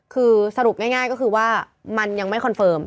คือสรุปง่ายก็คือว่ามันยังไม่คอนเฟิร์ม